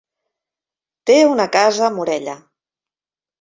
Té una casa a Morella.